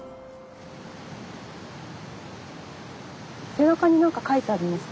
背中になんか書いてあります。